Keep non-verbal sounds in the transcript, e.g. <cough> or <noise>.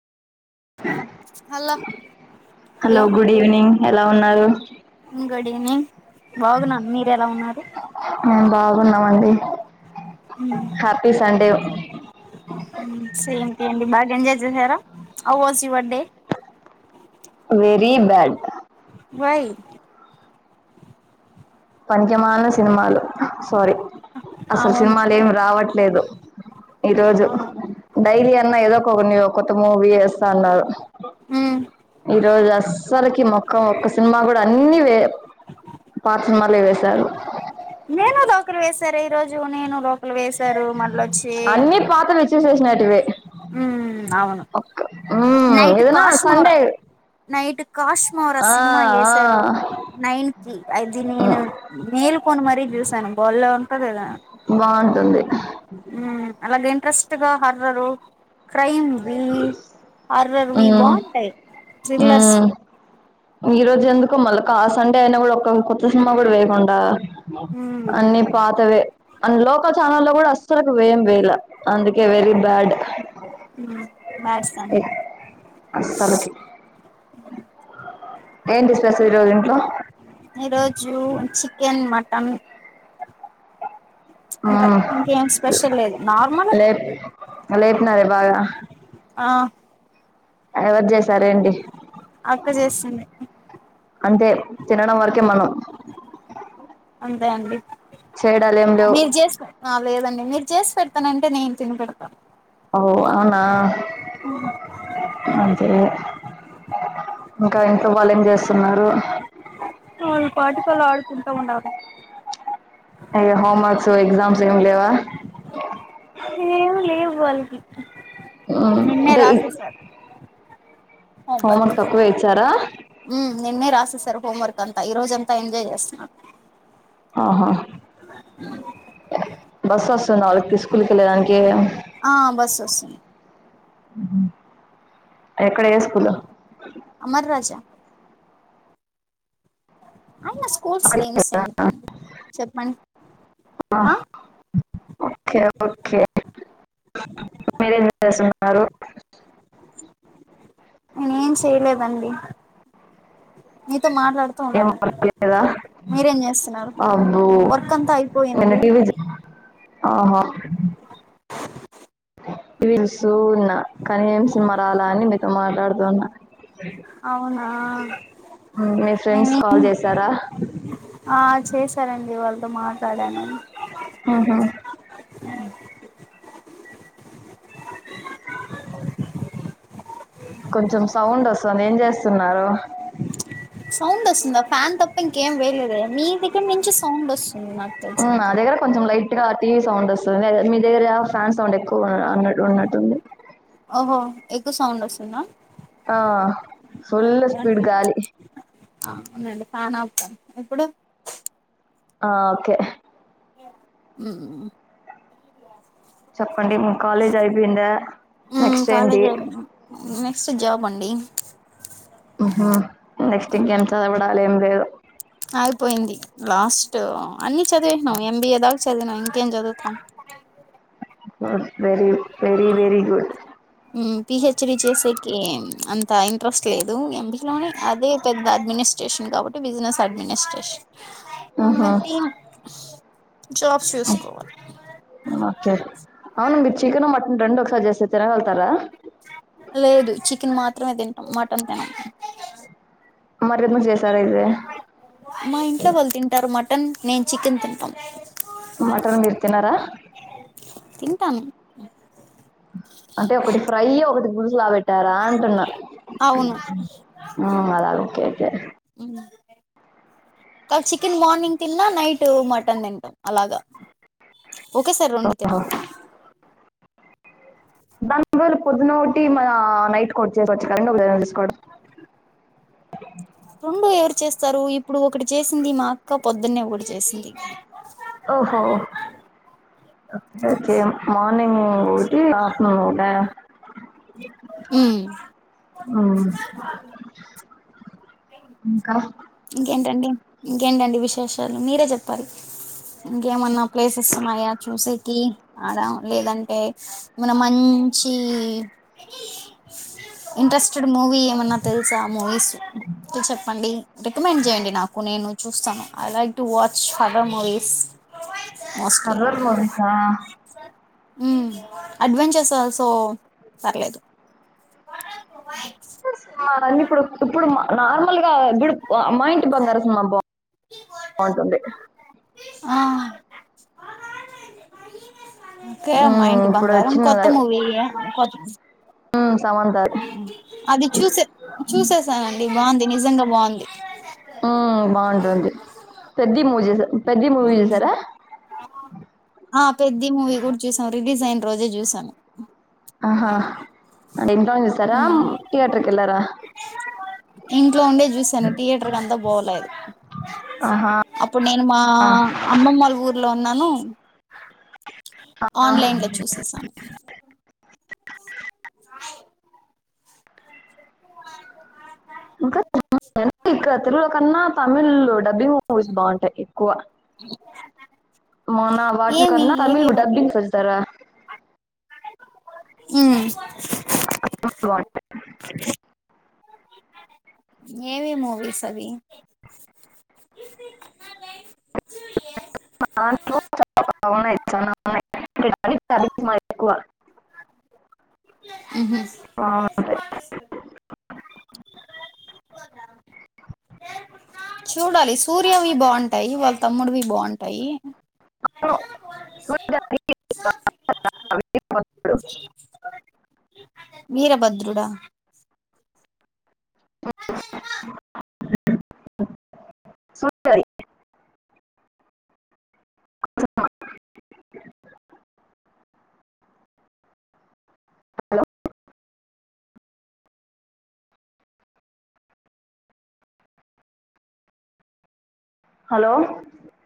<unintelligible> Hello hello good evening ఎలా ఉన్నారు good evening బాగున్నా మీరు ఎలా ఉన్నారు మేము బాగున్నామండి హ్యాపీ సండే సేమ్ డే అండి బాగా ఎంజాయ్ చేసారా how was your day very bad why పనికిమాలిన సినిమాలు సారీ అసలు అవును సినిమాలు ఏమి రావట్లేదు ఈ రోజు అవును డైలీ అన్నా ఏదో ఒక కొన్ని కొత్త మూవీ ఎస్తా ఉన్నారు ఈరోజు అస్సల్కి మొక్క ఒక్క సినిమా గూడా అన్ని వేరు మళ్ళీ వేసారు ను లోకర్ వేసారే ఈ రోజు నేను లోకలు వేసారు మళ్ళొచ్చి అన్ని పాతవి ఇచ్చేసి వేసినట్టివే ఉ ఔను హు ఏదన్న సండే నైట్ కాష్మోరా ఆ సినిమా ఆ ఎసారు నైన్ కి అది నేను మేల్ కొని మరీ చూసాను బోల్లే ఉంటదదీ కదా బావుంటుంది హ్ ఉ అలాగే ఇంట్రెస్ట్గా హర్రరు క్రైమ్వి హర్రర్వి మ్మ్ బాగుంటాయి థ్రిల్లర్స్వి ఈరోజెందుకో మల్కా సండే అయినా కూడా ఒక కొత్త సినిమా కూడా వేయకుండా మ్మ్ అన్ని పాతవే అండ్ లోకల్ ఛానల్లో కూడా అస్సల్కు వేం వెయ్లా అందుకే వెరీ బ్యాడ్ మ్ <unintelligible> అస్సల్కి ఏంది స్పెషల్ ఈరోజు ఇంట్లో ఈరోజు చికెన్ మటన్ ఆ అంతే ఇంకేం స్పెషల్ లేదు నార్మల్ లేప్ లేప్నావే బాగా ఆ ఎవరు జెసారేంటి అక్క జేస్సింది అంటే తినడం వర్కే మనం అంతే అండి చేయడాలు ఏం లేవు మీరు జేస్కో ఆ లేదండి మీరు జేసి పెడ్తానంటే నేన్ తిని పెడ్తా ఔ ఔనా అంతే లే ఇంకా ఇంట్లో వాళ్ళేం జేస్సున్నారు ఆళ్ళ పాటికాళ్ళు ఆడుకుంటా ఉండారు అయ్యో హోంవర్క్స్ ఎగ్జామ్స్ ఏం లేవా ఏం లేవు వాల్కీ నిన్నే అంటే రాసేసార్ హోంవర్క్ తక్కువే ఇచ్చారా నిన్నే రాసేసారు హోంవర్క్ అంతా ఈ రోజంతా ఎంజాయ్ చేస్తున్నారు ఆహా బస్సొస్సుందా వాల్కీ తీస్కూంకెల్లదానికి ఆ బస్సొస్తుంది ఉహు ఎక్కడ ఏ స్కూలు అమర్రాజా ఐనా స్కూల్స్ నేమ్స్ ఎందుకండి చెప్పండి హా ఓకే ఓకే మీరేం చేస్తుంటారు నేనేం సేయలేదండి నీతో మాట్లాడుతు ఏం తోన్నానిప్పుడు వర్క్ లేదా మీరేం చేస్తున్నారు అబ్బో వర్క్ అంతా నేను అయిపోయింది టీవీ ఆహా టీవీ చూస్తూ ఉన్నా కానీ ఏం సినిమా రాల అని మీతో మాట్లాడుతూన్నా అవునా మ్ మీ ఫ్రెండ్స్ మేమే కాల్ జేసారా ఆ చేసారండి వాళ్తో మాట్లాడాను ఆహా కొంచెం సౌండ్ ఒస్తాంది ఏం జేస్తున్నారు సౌండ్ ఒస్తుందా ఫ్యాన్ తప్ప ఇంకేం వేయలేదే మీ దగ్గర నుంచి సౌండ్ ఒస్తుంది నాకు ఔనా తెలిసినంత నా వరకు దగ్గర కొంచెం లైట్ గా టీవీ సౌండ్ వస్సుంది మీ దగ్గర ఫ్యాన్ సౌండ్ ఎక్కువ అన్నట్ ఉన్నట్టుంది ఒహో ఎక్కువ సౌండ్ ఒస్తుందా ఆ ఫుల్ స్పీడ్ గాలి ఆ ఉండండి ఫ్యాన్ ఆప్తాను ఇప్పుడు ఆ ఓకే మ్ చెప్పండి మీ కాలేజ్ అయిపోయిందా నెక్స్ట్ ఏంటి కాలేజ్ నెక్స్ట్ జాబ్ అండి ఉహ్మ్ నెక్స్ట్ ఇంకేం చదవడలెమ్ లేద్ అయిపోయింది లాస్ట్ అన్ని చదివేస్నాం ఎంబీఏ దాకా చదివినాం ఇంకేం చదువ్తాం ఓస్ వెరీ వెరీ వెరీ గుడ్ ఉమ్ పిహెచ్డి చేసేకి అంత ఇంట్రెస్ట్ లేదు ఎంబీఏలోనే అదే పెద్ద అడ్మినిస్ట్రేషన్ కాబట్టి బిజినెస్ అడ్మినిస్ట్రేట్ ఆహా జాబ్స్ చుస్కోవాల్ ఓకే అవ్ను మీర్ చికెను మటన్ రెండ్ ఒక్సారి చేసి తినగళ్తారా లేదు చికెన్ మాత్రమే తింటాం మటన్ తినం మర్ ఎందుక్చేసార్ ఇది మా ఇంట్లో వాళ్ళ్ తింటారు మటన్ నేన్ చికెన్ తింటాం మటన్ మీరు తిన్నారా తింటాన్ అంటే ఒకటి ఫ్రై ఒకటి పుల్స్ల వేట్ టారంటున్న అవును ఆ కదా ఓకే ఓకే ఉమ్ కా చికెన్ మార్నింగ్ తిన్నా నైట్ మటన్ తింటాం అలాగా ఓకే సార్ రెండు ఓహో. తినం దానివల్ల పొద్దునోటి మన నైట్ కొట్ చేస్కోచ్చ్ కరెంట్ గా కూడా చేస్కోచ్ రూంబ ఎవరు చేస్తారు ఇప్పుడు ఒకటి చేసింది మా అక్క పొద్దున్నే ఒకటి చేసింది ఓహో ఓ చ్చే మార్నింగ్ ఊటి ఆఫ్టర్నూన్ ఊట ఉమ్ ఉమ్ ఇంకా ఇంకేంటండి ఇంకేంటండి విశేషాలు మీరే చెప్పాలి ఇంకేమన్నా ప్లేసెస్ ఉన్నాయా చూసేకి అద లేదంటే మన మంచి ఇంట్రెస్టెడ్ మూవీ ఏమన్న తెల్సా మూవీస్ చెప్పండి రికమెండ్ చేయండి నాకు నేను చూస్తాను I like to watch horror movies mostly horror మూవీసా ఉమ్ అడ్వెంచర్స్ ఆల్సో పర్లేదు స్నా ఇప్పుడు ఇప్పుడు నార్మల్ గా ఇడు మా ఇంటి బంగారు సినిమా బా బాగుంటుంది ఆ కే మా మ్మ్, ఇంటి ఇప్పుడు బంగారం వచ్చిన కొత్త మూవీ యా కొత్ ఆ సమంత అది చూసే చూసేసానండి బావుంది నిజంగా బావుంది ఆ బావుంటుంది పెద్ది మూవీ చేసా పెద్ది మూవీ చూసారా ఆ పెద్ది మూవీ కూడా చూసాన్ రిలీజ్ అయిన రోజే చూసాను ఆహా అది ఇంట్లో చూసారా హ్మ్. థియేటఎక్కేళ్లారా ఇంట్లో ఉండే చూసాను థియేటర్క్ అంతా పోలే ఆహా అప్పుడ్నేన్ మా ఆ. అమ్మమ్మ ఉర్లో ఉన్నను లో చూసేసాను ఆహ సాయి ఇంకా ఇక్క తెలుగు కన్నా తమిల్ డబ్బింగ్ బాగుంటాయి ఎక్కువ మన వాటి ఏమి కన్నా తమిళ్ ఏవేవి అవి డబ్బింగ్ వ తర హు <inaudible> ఏమి మూవీస్ అవి న్నా <inaudible> చానా ఉన్నాయ్ <unintelligible> పనిక్ మల్ ఉహు ఆ చూడాలి సూర్యవి బాగుంటాయి వాళ్ళ తమ్ముడువి బాగుంటాయి అక్కో సూర్యవి <unintelligible> వీరభద్రుడా అ సూపర్ హలో హలో